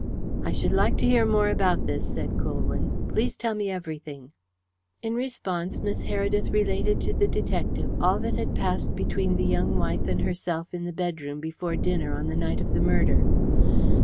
"I should like to hear more about this," said Colwyn. "Please tell me everything." In response Miss Heredith related to the detective all that had passed between the young wife and herself in the bedroom before dinner on the night of the murder.